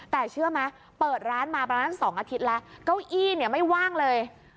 แต่เชื่อไหมเปิดร้านมาประมาณ๒อาทิตย์แล้วเก้าอี้เนี่ยไม่ว่างเลย